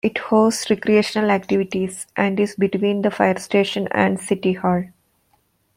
It hosts recreational activities, and is between the fire station and city hall.